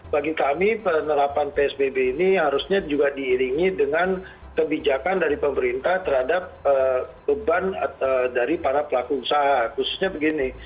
bagi kami penerapan psbb ini harusnya juga diiringi dengan kebijakan dari pemerintah terhadap beban dari para pelaku usaha khususnya begini